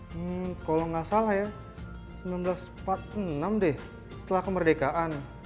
hmm kalau nggak salah ya seribu sembilan ratus empat puluh enam deh setelah kemerdekaan